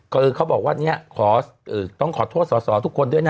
ก็ลือเขาบอกว่าต้องขอโทษสั่วทุกคนด้วยนะ